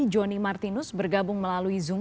johnny martinus bergabung melalui zoom